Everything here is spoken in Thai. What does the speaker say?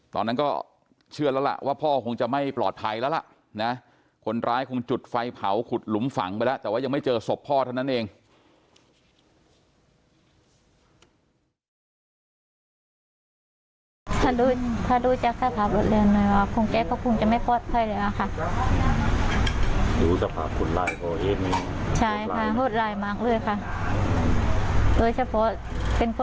ตอนนั้นก็เชื่อแล้วล่ะว่าพ่อคงจะไม่ปลอดภัยแล้วล่ะนะคนร้ายคงจุดไฟเผาขุดหลุมฝังไปแล้วแต่ว่ายังไม่เจอศพพ่อเท่านั้นเอง